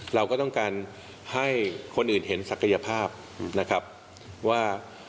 เราก็ต้องการให้คนอื่นเห็นศักยภาพนะครับว่า